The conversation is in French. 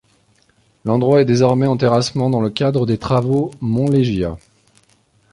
L'endroit est désormais en terrassement dans le cadre des travaux 'Mont Legia'.